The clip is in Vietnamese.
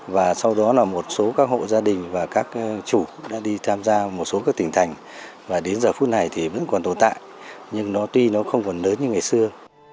và sau đó là một số các hộ gia đình và các chủ đã đi tham gia một số các tỉnh thành và đến giờ phút này thì vẫn còn tồn tại nhưng nó tuy nó không còn lớn như ngày xưa